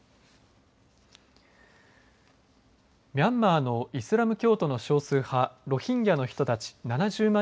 ミャンマーのイスラム教徒の少数派ロヒンギャの人たち７０万